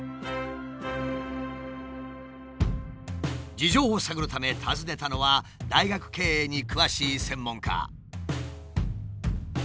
事情を探るため訪ねたのは大学経営に詳しい専門家。